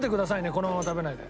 このまま食べないで。